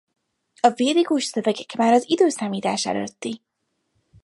A védikus szövegek már az i.e.